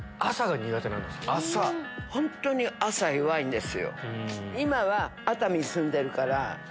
本当に朝弱いんですよ。